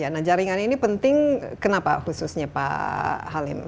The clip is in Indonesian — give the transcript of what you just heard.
nah jaringan ini penting kenapa khususnya pak halim